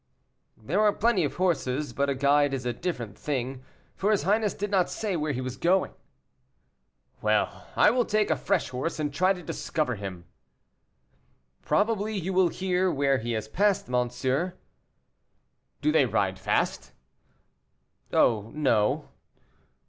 "There are plenty of horses, but a guide is a different thing, for his highness did not say where he was going." "Well, I will take a fresh horse, and try to discover him." "Probably you will hear where he has passed, monsieur." "Do they ride fast?" "Oh no."